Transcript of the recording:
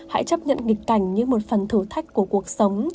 hãy chấp nhận nghịch cảnh như một phần thử thách của cuộc sống